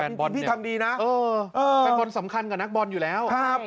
แฟนบอลพี่ทำดีนะเออเออเป็นคนสำคัญกับนักบอลอยู่แล้วครับ